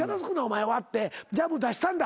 前はってジャブ出したんだ。